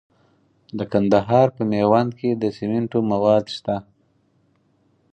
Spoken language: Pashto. د کندهار په میوند کې د سمنټو مواد شته.